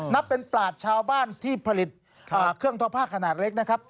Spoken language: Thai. นับเป็นปลาดชาวบ้านที่ผลิตเครื่องทอผ้าขนาดเล็กนะครับ